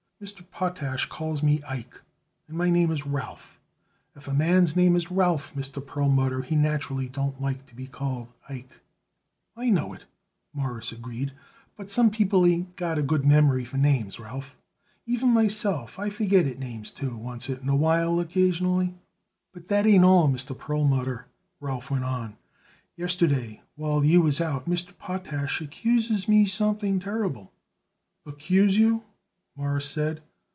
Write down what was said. "Mr. Potash calls me Ike, and my name is Ralph. If a man's name is Ralph, Mr. Perlmutter, he naturally don't like it to be called Ike." "I know it," Morris agreed, "but some people ain't got a good memory for names, Ralph. Even myself I forget it names, too, oncet in a while, occasionally." "But that ain't all, Mr. Perlmutter," Ralph went on. "Yesterday, while you was out, Mr. Potash accuses me something terrible." "Accuse you?" Morris said.